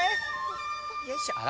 よいしょ。